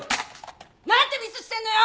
何てミスしてんのよ！